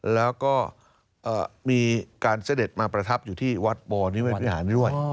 แล้วก็มีการเสด็จมาประทับอยู่ที่วัดบวรนิเวศวิหารด้วย